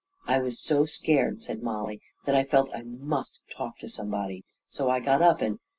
" I was so scared," said Mollie, " that I felt I must talk to somebody, so I got up and